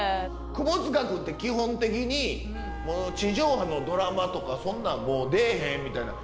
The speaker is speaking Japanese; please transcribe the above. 窪塚君って基本的に地上波のドラマとかそんなんもう出えへんみたいな。